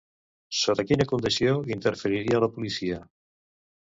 Sota quina condició interferiria la policia?